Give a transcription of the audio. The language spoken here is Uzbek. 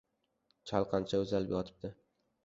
Chalqancha uzalib yotdi.